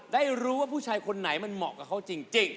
ได้รู้ว่าผู้ในคนใหม่มองกับเค้าจริง